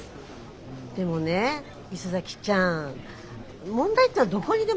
でもね磯崎ちゃん。問題ってのはどこにでも。